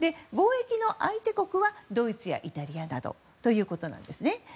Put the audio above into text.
貿易の相手国はドイツやイタリアだということです。